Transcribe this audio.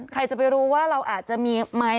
ใครจะไปรู้ว่าเราอาจจะมีไหม